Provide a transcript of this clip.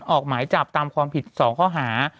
ออกหมายจับตามความผิด๒ข้อหา